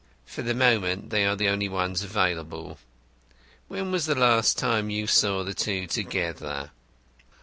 "For the moment they are the only ones available. When was the last time you saw the two together?"